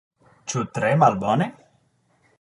Ĉu tre malbone?